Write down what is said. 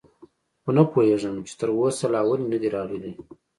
خو نه پوهېږم، چې تراوسه لا ولې نه دي راغلي.